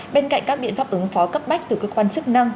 bên cạnh các biện pháp ứng phó cấp bách từ cơ quan chức năng